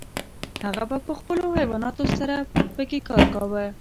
هغه به په خپلو حیواناتو سره پکې کار کاوه.